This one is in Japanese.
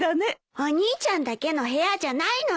お兄ちゃんだけの部屋じゃないのに。